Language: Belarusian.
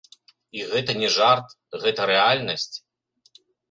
І гэта не жарт, гэта рэальнасць.